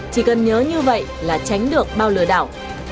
chỉ cần nhớ như vậy là tránh được bao lừa đảo